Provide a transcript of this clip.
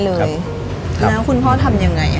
แล้วคุณพ่อทำยังไง